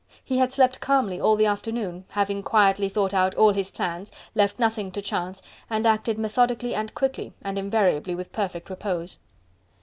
He had slept calmly all the afternoon, having quietly thought out all his plans, left nothing to chance, and acted methodically and quickly, and invariably with perfect repose.